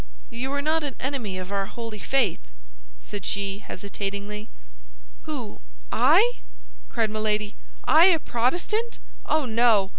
"You are not an enemy of our holy faith?" said she, hesitatingly. "Who—I?" cried Milady; "I a Protestant? Oh, no!